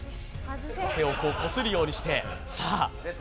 手をこするようにして。